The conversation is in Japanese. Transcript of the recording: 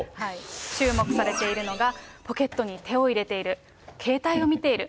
注目されているのが、ポケットに手を入れている、携帯を見ている、